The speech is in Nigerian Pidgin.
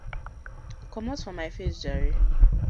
Komot for mi face jare.